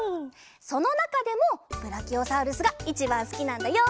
そのなかでもブラキオサウルスがいちばんすきなんだよ！